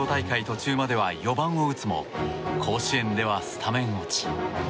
途中までは４番を打つも甲子園ではスタメン落ち。